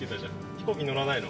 飛行機乗らないの？